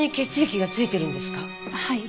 はい。